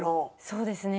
そうですね。